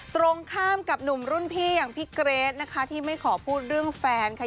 ตรงข้ามกับหนุ่มรุ่นพี่อย่างพี่เกรทนะคะที่ไม่ขอพูดเรื่องแฟนค่ะ